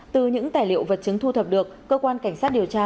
từ những tài liệu vật chứng thu thập được cơ quan cảnh sát điều tra